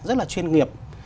rất là chuyên nghiệp